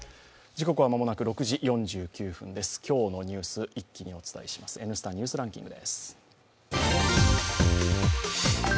今日のニュースを一気にお伝えします「Ｎスタ・ニュースランキング」です。